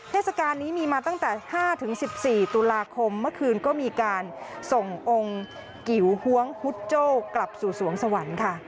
เทศกาลนี้มีมาตั้งแต่๕๑๔ตุลาคมเมื่อคืนก็มีการส่งองค์กิ๋วฮวงฮุดโจ้กลับสู่สวงสวรรค์ค่ะ